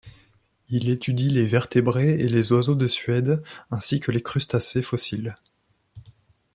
Il étudie les vertébrés et les oiseaux de Suède ainsi que les crustacés fossiles.